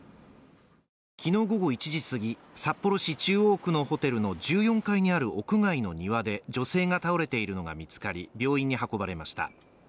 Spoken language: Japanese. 昨日午後１時過ぎ、札幌市中央区のホテルの１４階にある屋外の庭で女性が倒れているのが見つかり病院に運ばれました。